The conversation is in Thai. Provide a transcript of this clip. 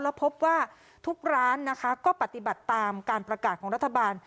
แล้วพบว่าทุกร้านนะคะก็ปฏิบัติตามการประกาศของรัฐบาล